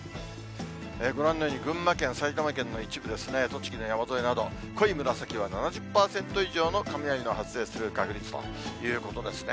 ご覧のように、群馬県、埼玉県の一部ですね、栃木の山沿いなど、濃い紫は７０％以上の雷の発生する確率ということですね。